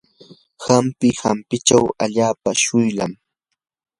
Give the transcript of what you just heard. ampi ampichaw allaapa shuylam.